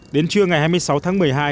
đến trưa ngày hai mươi sáu tháng một mươi hai